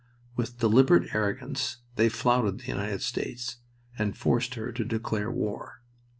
With deliberate arrogance they flouted the United States and forced her to declare war.